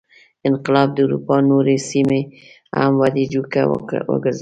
انقلاب د اروپا نورې سیمې هم ودې جوګه وګرځولې.